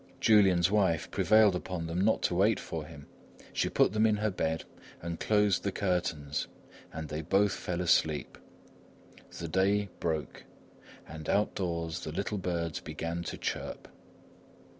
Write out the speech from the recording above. Julian's wife prevailed upon them not to wait for him. She put them in her bed and closed the curtains; and they both fell asleep. The day broke and outdoors the little birds began to chirp.